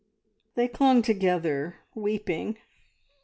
They clung together, weeping.